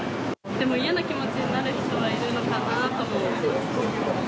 でも嫌な気持ちになる人はいるのかなと思います。